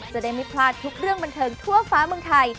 จะได้ไม่พลาดทุกเรื่องบันเทิงทั่วฟ้าเมืองไทย